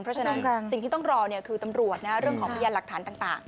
เพราะฉะนั้นสิ่งที่ต้องรอคือตำรวจเรื่องของพยานหลักฐานต่าง